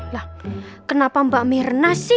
lah kenapa mbak mirna sih